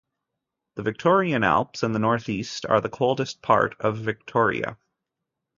The Victorian Alps in the northeast are the coldest part of Victoria.